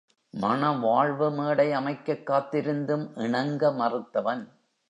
மணவாழ்வு மேடை அமைக்கக் காத்திருந்தும், இணங்க மறுத்தவன்.